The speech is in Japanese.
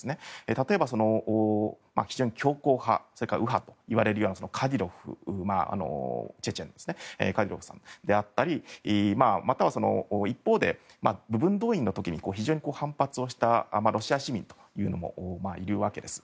例えば非常に強硬派、右派といわれるようなカディロフチェチェンであったりまたは一方で部分動員の時に非常に反発をしたロシア市民というのもいるわけです。